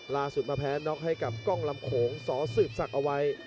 ล่าสุดมาแพ้น็อคให้กับกล้องลำโขงสอสืบสักเอาไว้